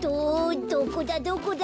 どこだどこだ！